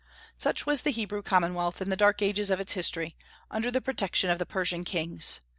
Such was the Hebrew commonwealth in the dark ages of its history, under the protection of the Persian kings.